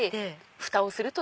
ふたをする。